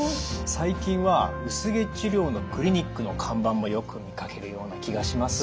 最近は薄毛治療のクリニックの看板もよく見かけるような気がします。